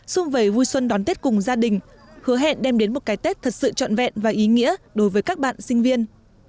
xung vầy vui xuân đón tết cùng gia đình hứa hẹn đem đến một cái tết thật sự trọn vẹn và ý nghĩa đối với các bạn sinh viên